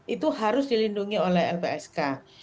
itu harus dilindungi oleh lpsk